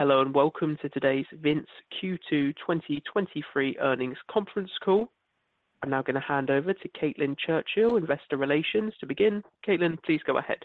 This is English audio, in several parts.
Hello, and welcome to today's Vince Q2 2023 earnings conference call. I'm now going to hand over to Caitlin Churchill, Investor Relations, to begin. Caitlin, please go ahead.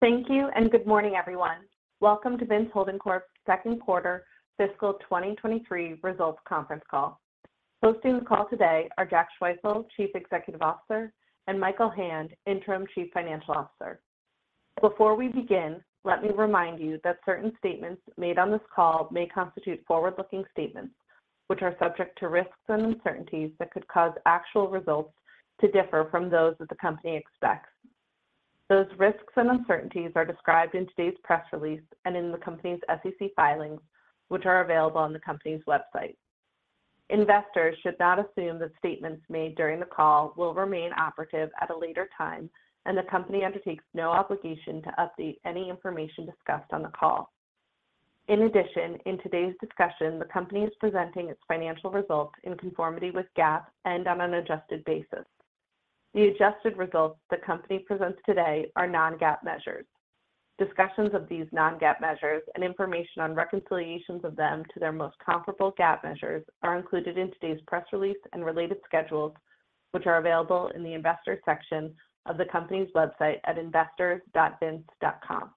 Thank you, and good morning, everyone. Welcome to Vince Holding Corp's second quarter fiscal 2023 results conference call. Hosting the call today are Jack Schwefel, Chief Executive Officer, and Michael Hand, Interim Chief Financial Officer. Before we begin, let me remind you that certain statements made on this call may constitute forward-looking statements, which are subject to risks and uncertainties that could cause actual results to differ from those that the company expects. Those risks and uncertainties are described in today's press release and in the company's SEC filings, which are available on the company's website. Investors should not assume that statements made during the call will remain operative at a later time, and the company undertakes no obligation to update any information discussed on the call. In addition, in today's discussion, the company is presenting its financial results in conformity with GAAP and on an adjusted basis. The adjusted results the company presents today are non-GAAP measures. Discussions of these non-GAAP measures and information on reconciliations of them to their most comparable GAAP measures are included in today's press release and related schedules, which are available in the Investors section of the company's website at investors.vince.com.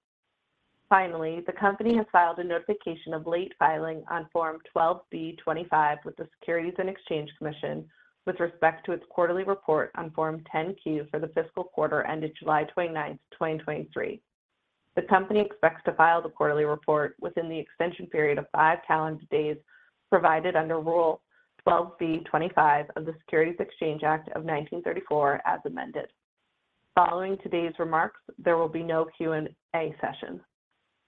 Finally, the company has filed a notification of late filing on Form 12b-25 with the Securities and Exchange Commission with respect to its quarterly report on Form 10-Q for the fiscal quarter ended July 29, 2023. The company expects to file the quarterly report within the extension period of 5 calendar days provided under Rule 12b-25 of the Securities Exchange Act of 1934, as amended. Following today's remarks, there will be no Q&A session.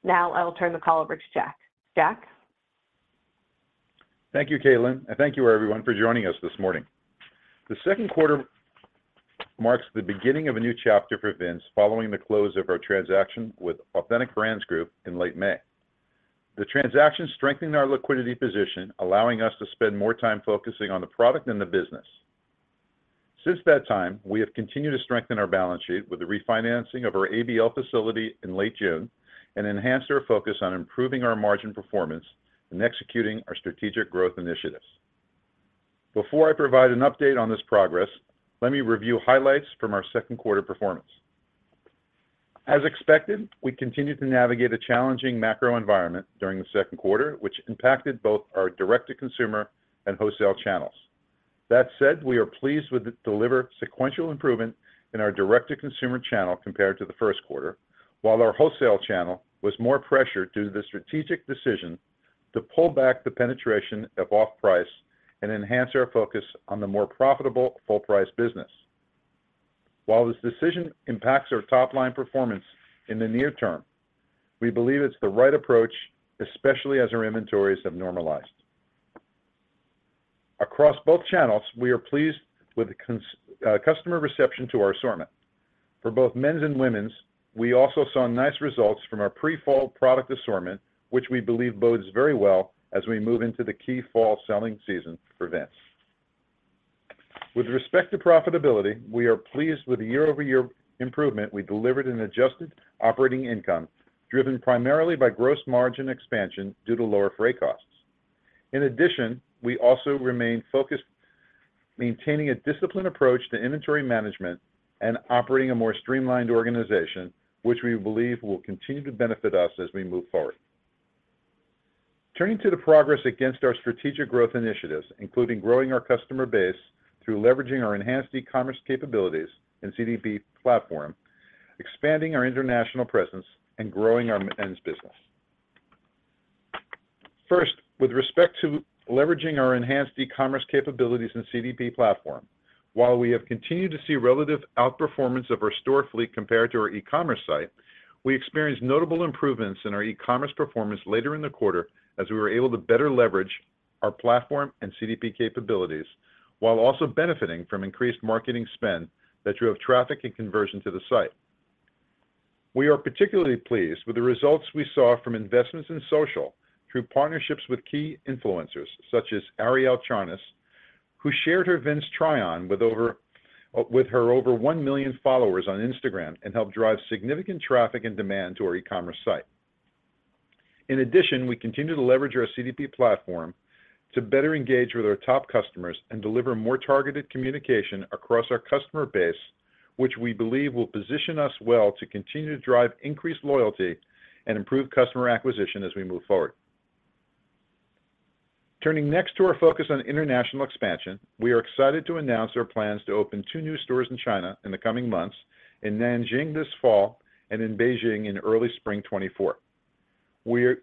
Now, I will turn the call over to Jack. Jack? Thank you, Caitlin, and thank you, everyone, for joining us this morning. The second quarter marks the beginning of a new chapter for Vince following the close of our transaction with Authentic Brands Group in late May. The transaction strengthened our liquidity position, allowing us to spend more time focusing on the product and the business. Since that time, we have continued to strengthen our balance sheet with the refinancing of our ABL facility in late June and enhanced our focus on improving our margin performance and executing our strategic growth initiatives. Before I provide an update on this progress, let me review highlights from our second quarter performance. As expected, we continued to navigate a challenging macro environment during the second quarter, which impacted both our direct-to-consumer and wholesale channels. That said, we are pleased with the delivered sequential improvement in our direct-to-consumer channel compared to the first quarter, while our wholesale channel was more pressured due to the strategic decision to pull back the penetration of off-price and enhance our focus on the more profitable full-price business. While this decision impacts our top-line performance in the near term, we believe it's the right approach, especially as our inventories have normalized. Across both channels, we are pleased with the customer reception to our assortment. For both men's and women's, we also saw nice results from our pre-fall product assortment, which we believe bodes very well as we move into the key fall selling season for Vince. With respect to profitability, we are pleased with the year-over-year improvement we delivered in adjusted operating income, driven primarily by gross margin expansion due to lower freight costs. In addition, we also remain focused, maintaining a disciplined approach to inventory management and operating a more streamlined organization, which we believe will continue to benefit us as we move forward. Turning to the progress against our strategic growth initiatives, including growing our customer base through leveraging our enhanced e-commerce capabilities and CDP platform, expanding our international presence, and growing our men's business. First, with respect to leveraging our enhanced e-commerce capabilities and CDP platform, while we have continued to see relative outperformance of our store fleet compared to our e-commerce site, we experienced notable improvements in our e-commerce performance later in the quarter as we were able to better leverage our platform and CDP capabilities, while also benefiting from increased marketing spend that drove traffic and conversion to the site. We are particularly pleased with the results we saw from investments in social through partnerships with key influencers, such as Arielle Charnas, who shared her Vince try-on with over one million followers on Instagram and helped drive significant traffic and demand to our e-commerce site. In addition, we continue to leverage our CDP platform to better engage with our top customers and deliver more targeted communication across our customer base, which we believe will position us well to continue to drive increased loyalty and improve customer acquisition as we move forward. Turning next to our focus on international expansion, we are excited to announce our plans to open two new stores in China in the coming months, in Nanjing this fall and in Beijing in early spring 2024.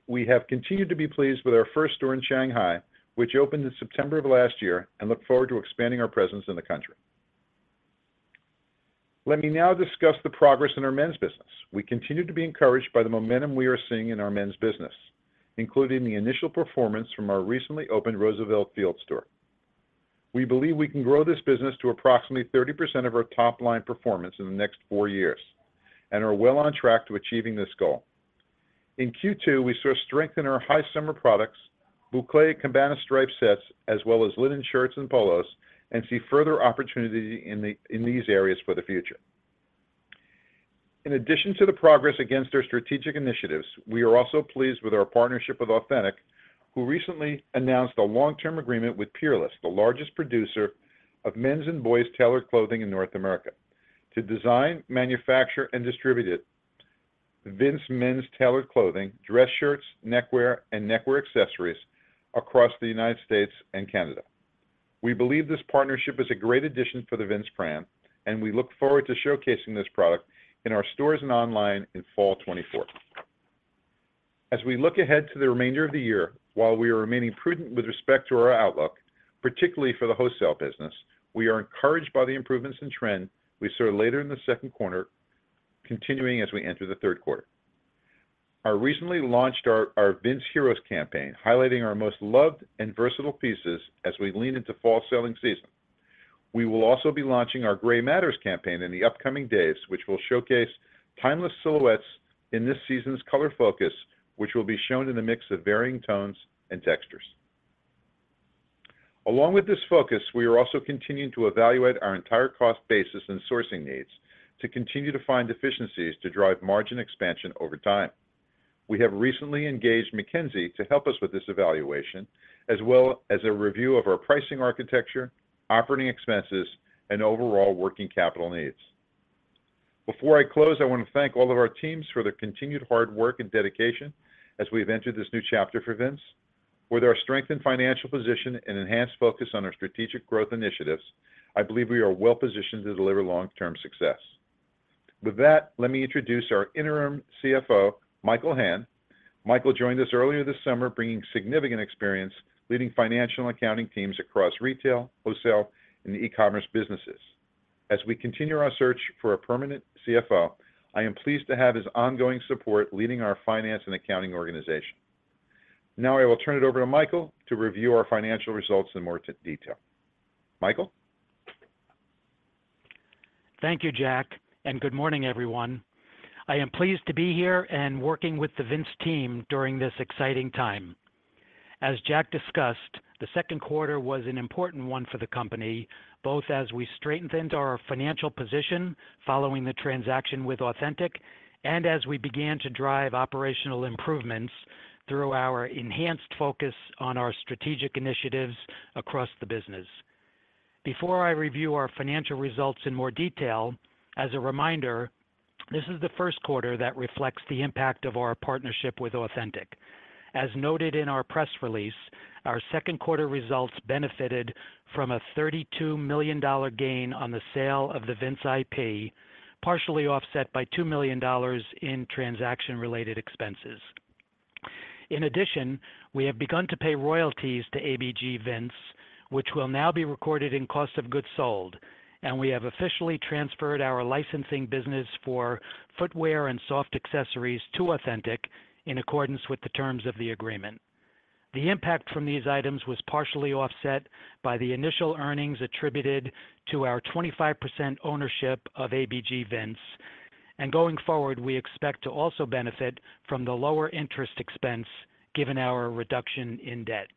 We have continued to be pleased with our first store in Shanghai, which opened in September of last year, and look forward to expanding our presence in the country. Let me now discuss the progress in our men's business. We continue to be encouraged by the momentum we are seeing in our men's business, including the initial performance from our recently opened Roosevelt Field store. We believe we can grow this business to approximately 30% of our top-line performance in the next four years and are well on track to achieving this goal. In Q2, we saw strength in our high summer products, bouclé cabana stripe sets, as well as linen shirts and polos, and see further opportunity in these areas for the future. In addition to the progress against our strategic initiatives, we are also pleased with our partnership with Authentic, who recently announced a long-term agreement with Peerless, the largest producer of men's and boys' tailored clothing in North America, to design, manufacture, and distribute Vince men's tailored clothing, dress shirts, neckwear, and neckwear accessories across the United States and Canada. We believe this partnership is a great addition for the Vince brand, and we look forward to showcasing this product in our stores and online in fall 2024. As we look ahead to the remainder of the year, while we are remaining prudent with respect to our outlook, particularly for the wholesale business, we are encouraged by the improvements in trend we saw later in the second quarter, continuing as we enter the third quarter. I recently launched our Vince Heroes campaign, highlighting our most loved and versatile pieces as we lean into fall selling season. We will also be launching our Grey Matters campaign in the upcoming days, which will showcase timeless silhouettes in this season's color focus, which will be shown in a mix of varying tones and textures. Along with this focus, we are also continuing to evaluate our entire cost basis and sourcing needs to continue to find efficiencies to drive margin expansion over time. We have recently engaged McKinsey to help us with this evaluation, as well as a review of our pricing architecture, operating expenses, and overall working capital needs. Before I close, I want to thank all of our teams for their continued hard work and dedication as we've entered this new chapter for Vince. With our strengthened financial position and enhanced focus on our strategic growth initiatives, I believe we are well positioned to deliver long-term success. With that, let me introduce our Interim CFO, Michael Hand. Michael joined us earlier this summer, bringing significant experience leading financial and accounting teams across retail, wholesale, and e-commerce businesses. As we continue our search for a permanent CFO, I am pleased to have his ongoing support leading our finance and accounting organization. Now, I will turn it over to Michael to review our financial results in more detail. Michael? Thank you, Jack, and good morning, everyone. I am pleased to be here and working with the Vince team during this exciting time. As Jack discussed, the second quarter was an important one for the company, both as we strengthened our financial position following the transaction with Authentic and as we began to drive operational improvements through our enhanced focus on our strategic initiatives across the business. Before I review our financial results in more detail, as a reminder, this is the first quarter that reflects the impact of our partnership with Authentic. As noted in our press release, our second quarter results benefited from a $32 million gain on the sale of the Vince IP, partially offset by $2 million in transaction-related expenses. In addition, we have begun to pay royalties to ABG Vince, which will now be recorded in cost of goods sold, and we have officially transferred our licensing business for footwear and soft accessories to Authentic in accordance with the terms of the agreement. The impact from these items was partially offset by the initial earnings attributed to our 25% ownership of ABG Vince, and going forward, we expect to also benefit from the lower interest expense given our reduction in debt.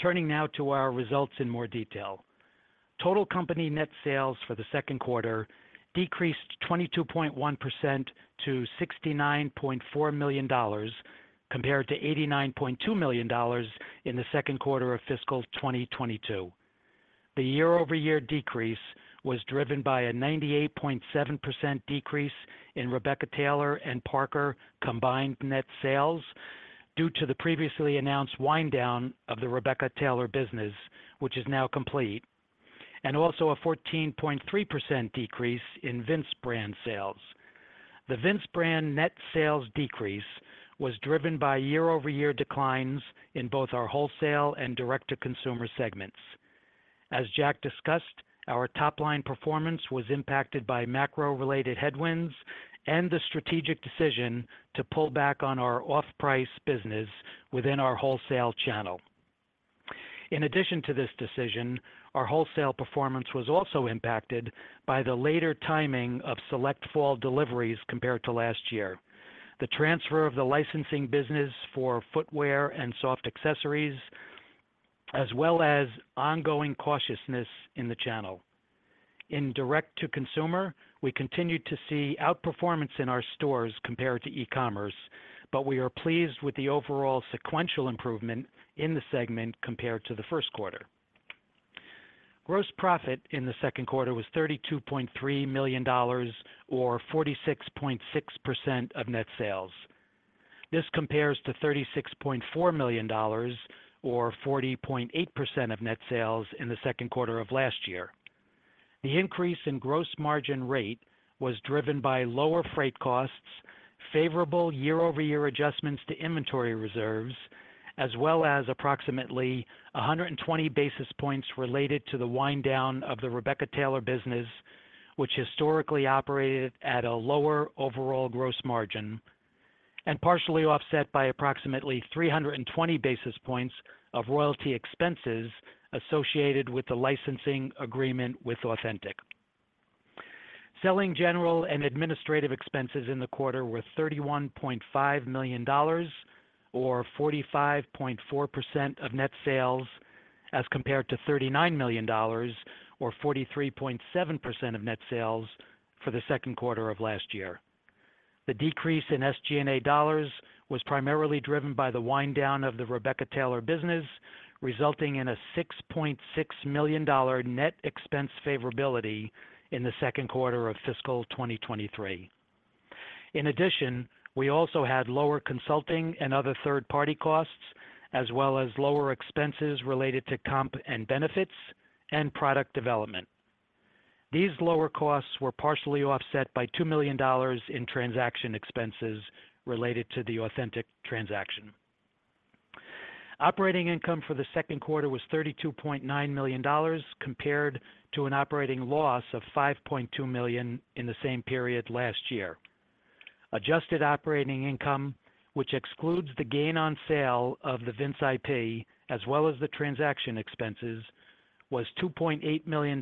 Turning now to our results in more detail. Total company net sales for the second quarter decreased 22.1% to $69.4 million, compared to $89.2 million in the second quarter of fiscal 2022. The year-over-year decrease was driven by a 98.7% decrease in Rebecca Taylor and Parker combined net sales due to the previously announced wind down of the Rebecca Taylor business, which is now complete, and also a 14.3% decrease in Vince brand sales. The Vince brand net sales decrease was driven by year-over-year declines in both our wholesale and direct-to-consumer segments. As Jack discussed, our top-line performance was impacted by macro-related headwinds and the strategic decision to pull back on our off-price business within our wholesale channel. In addition to this decision, our wholesale performance was also impacted by the later timing of select fall deliveries compared to last year, the transfer of the licensing business for footwear and soft accessories, as well as ongoing cautiousness in the channel. In direct-to-consumer, we continued to see outperformance in our stores compared to e-commerce, but we are pleased with the overall sequential improvement in the segment compared to the first quarter. Gross profit in the second quarter was $32.3 million or 46.6% of net sales. This compares to $36.4 million or 40.8% of net sales in the second quarter of last year. The increase in gross margin rate was driven by lower freight costs, favorable year-over-year adjustments to inventory reserves, as well as approximately 100 basis points related to the wind down of the Rebecca Taylor business, which historically operated at a lower overall gross margin and partially offset by approximately 320 basis points of royalty expenses associated with the licensing agreement with Authentic.... Selling, general and administrative expenses in the quarter were $31.5 million, or 45.4% of net sales, as compared to $39 million, or 43.7% of net sales for the second quarter of last year. The decrease in SG&A dollars was primarily driven by the wind down of the Rebecca Taylor business, resulting in a $6.6 million net expense favorability in the second quarter of fiscal 2023. In addition, we also had lower consulting and other third-party costs, as well as lower expenses related to comp and benefits and product development. These lower costs were partially offset by $2 million in transaction expenses related to the Authentic transaction. Operating income for the second quarter was $32.9 million, compared to an operating loss of $5.2 million in the same period last year. Adjusted operating income, which excludes the gain on sale of the Vince IP as well as the transaction expenses, was $2.8 million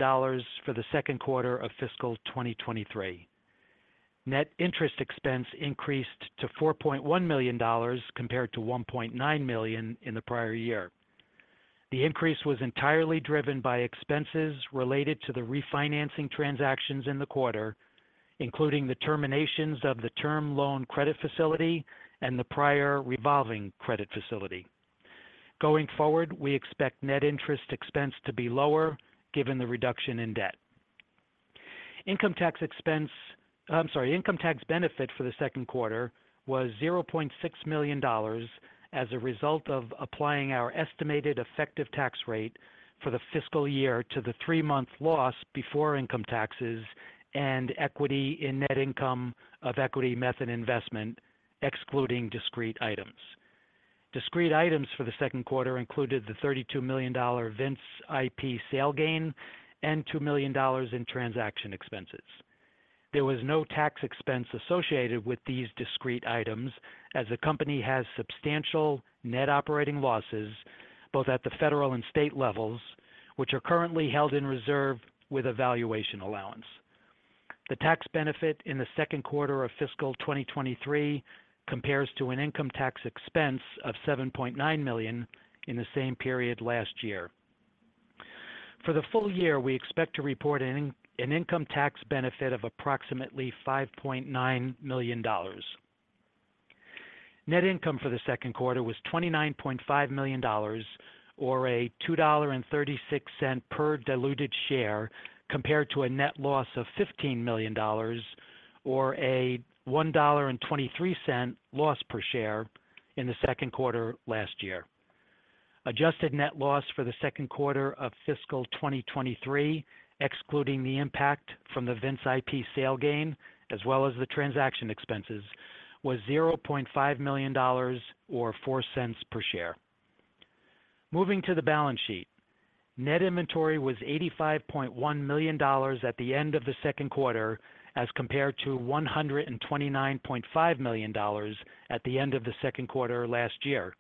for the second quarter of fiscal 2023. Net interest expense increased to $4.1 million, compared to $1.9 million in the prior year. The increase was entirely driven by expenses related to the refinancing transactions in the quarter, including the terminations of the term loan credit facility and the prior revolving credit facility. Going forward, we expect net interest expense to be lower given the reduction in debt. Income tax expense. I'm sorry. Income tax benefit for the second quarter was $0.6 million as a result of applying our estimated effective tax rate for the fiscal year to the three-month loss before income taxes and equity in net income of equity method investment, excluding discrete items. Discrete items for the second quarter included the $32 million Vince IP sale gain and $2 million in transaction expenses. There was no tax expense associated with these discrete items as the company has substantial net operating losses, both at the federal and state levels, which are currently held in reserve with a valuation allowance. The tax benefit in the second quarter of fiscal 2023 compares to an income tax expense of $7.9 million in the same period last year. For the full year, we expect to report an income tax benefit of approximately $5.9 million. Net income for the second quarter was $29.5 million, or $2.36 per diluted share, compared to a net loss of $15 million or a $1.23 loss per share in the second quarter last year. Adjusted net loss for the second quarter of fiscal 2023, excluding the impact from the Vince IP sale gain, as well as the transaction expenses, was $0.5 million or $0.04 per share. Moving to the balance sheet. Net inventory was $85.1 million at the end of the second quarter as compared to $129.5 million at the end of the second quarter last year.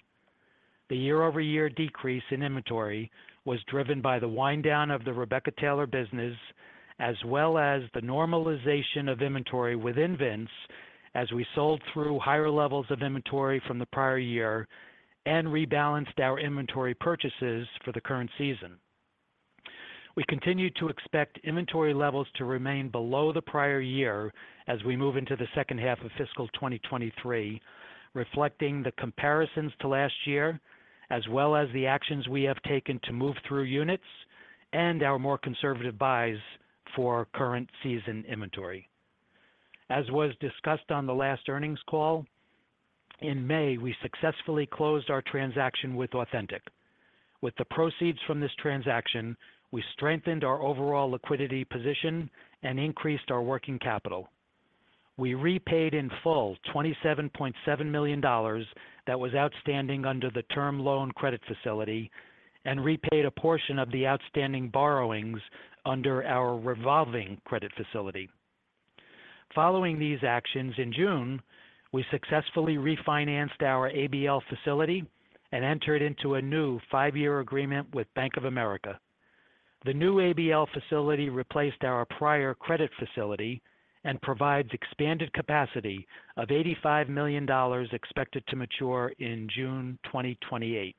The year-over-year decrease in inventory was driven by the wind down of the Rebecca Taylor business, as well as the normalization of inventory within Vince as we sold through higher levels of inventory from the prior year and rebalanced our inventory purchases for the current season. We continue to expect inventory levels to remain below the prior year as we move into the second half of fiscal 2023, reflecting the comparisons to last year, as well as the actions we have taken to move through units and our more conservative buys for current season inventory. As was discussed on the last earnings call, in May, we successfully closed our transaction with Authentic. With the proceeds from this transaction, we strengthened our overall liquidity position and increased our working capital. We repaid in full $27.7 million that was outstanding under the term loan credit facility and repaid a portion of the outstanding borrowings under our revolving credit facility. Following these actions in June, we successfully refinanced our ABL facility and entered into a new 5-year agreement with Bank of America. The new ABL facility replaced our prior credit facility and provides expanded capacity of $85 million, expected to mature in June 2028.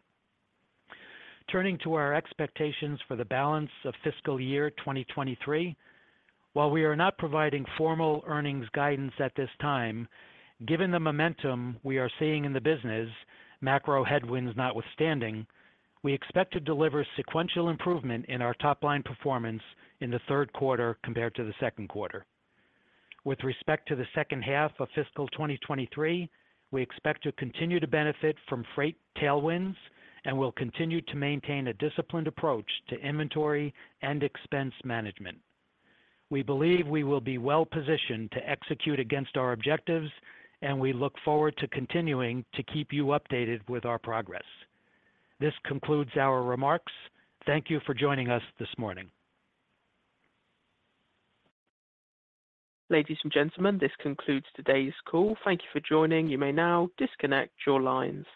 Turning to our expectations for the balance of fiscal year 2023. While we are not providing formal earnings guidance at this time, given the momentum we are seeing in the business, macro headwinds notwithstanding, we expect to deliver sequential improvement in our top line performance in the third quarter compared to the second quarter. With respect to the second half of fiscal 2023, we expect to continue to benefit from freight tailwinds and will continue to maintain a disciplined approach to inventory and expense management. We believe we will be well positioned to execute against our objectives, and we look forward to continuing to keep you updated with our progress. This concludes our remarks. Thank you for joining us this morning. Ladies and gentlemen, this concludes today's call. Thank you for joining. You may now disconnect your lines.